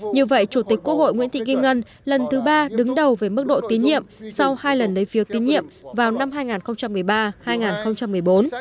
như vậy chủ tịch quốc hội nguyễn thị kim ngân lần thứ ba đứng đầu về mức độ tín nhiệm sau hai lần lấy phiếu tín nhiệm vào năm hai nghìn một mươi ba hai nghìn một mươi bốn